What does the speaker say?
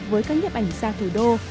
với các nhấp ảnh gia thủ đô